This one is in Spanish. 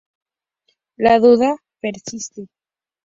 La duda persiste.